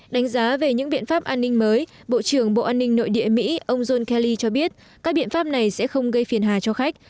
trong bộ an ninh mới bộ trưởng bộ an ninh nội địa mỹ ông john kelly cho biết các biện pháp này sẽ không gây phiền hà cho khách